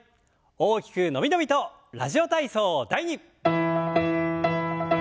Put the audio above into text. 大きく伸び伸びと「ラジオ体操第２」。